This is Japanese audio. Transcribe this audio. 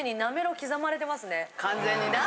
完全にな。